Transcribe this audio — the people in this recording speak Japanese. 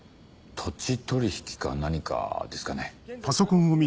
土地取引か何かですかね？